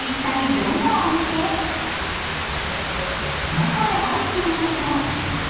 ［中へ入ってみると］